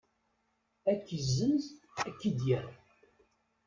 Ad k-izzenz, ad k-id-yerr.